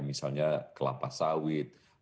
misalnya kelapa sawit